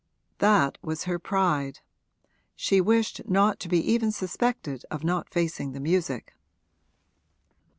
That was her pride: she wished not to be even suspected of not facing the music.